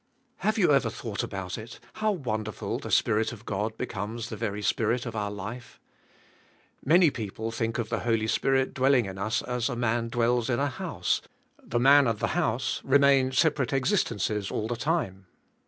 Have you ever thought about it, how won derful the Spirit of God becomes the very spirit of our life. Many people think of the Holy Spirit dwelling in us as a man dwells in a house, the man and the house remain separate existances all the time.